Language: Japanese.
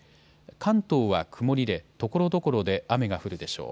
関東は曇りでところどころで雨が降るでしょう。